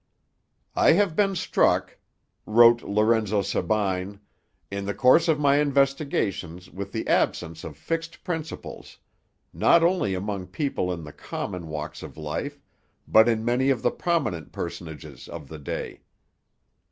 'I have been struck,' wrote Lorenzo Sabine, 'in the course of my investigations, with the absence of fixed principles, not only among people in the common walks of life, but in many of the prominent personages of the day.'